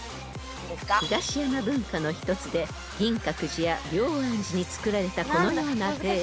［東山文化の一つで銀閣寺や龍安寺に造られたこのような庭園］